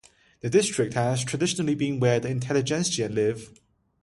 The district has traditionally been where the intelligentsia live.